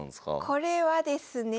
これはですね